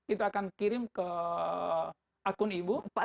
itu akan kirim ke akun ibu